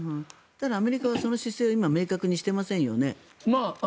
アメリカがその姿勢を明確にしていませんよね。